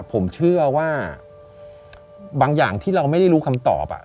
ผมเชื่อว่าบางอย่างที่เราไม่ได้รู้คำตอบ